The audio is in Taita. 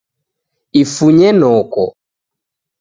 Ifunye noko